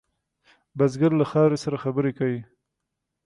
بزګر له خاورې سره خبرې کوي